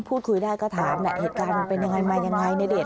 พูดคุยได้ก็ถามแหละเหตุการณ์มันเป็นยังไงมายังไงในเดช